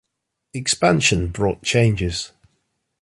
Expansion brought changes.